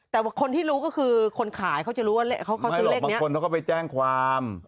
แต่คนที่รู้ก็คือคนขายเขาจะรู้ว่าเขาซื้อเลขเนี้ยไม่หรอกบางคนเขาก็ไปแจ้งความ